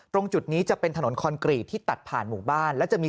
ตรงจุดนี้จะเป็นถนนคอนกรีตที่ตัดผ่านหมู่บ้านแล้วจะมี